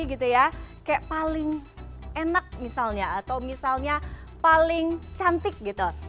kayak paling enak misalnya atau misalnya paling cantik gitu